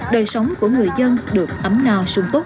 đời sống của người dân được ấm no sung túc